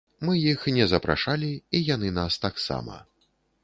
Мы іх не запрашалі, і яны нас таксама.